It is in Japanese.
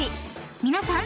［皆さん。